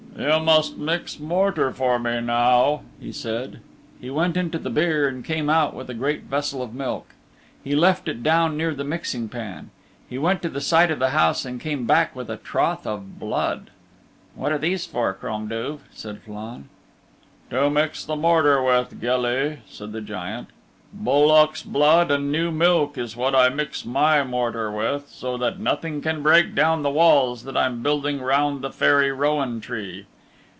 "You must mix mortar for me now," he said. He went into the byre and came out with a great vessel of milk. He left it down near the mixing pan. He went to the side of the house and came back with a trough of blood. "What are these for, Crom Duv?" said Flann. "To mix the mortar with, gilly," said the Giant. "Bullock's blood and new milk is what I mix my mortar with, so that nothing can break down the walls that I'm building round the Fairy Rowan Tree.